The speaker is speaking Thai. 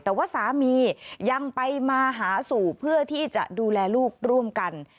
แต่ว่าสามียังไปมาหาสู่เพื่อที่จะดูแลลูกร่วมกัน